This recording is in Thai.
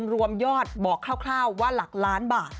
รวมยอดบอกคร่าวว่าหลักล้านบาท